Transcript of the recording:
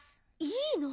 いいの？